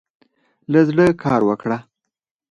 له زړۀ کار وکړه.